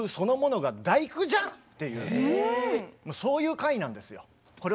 もうそういう回なんですよ。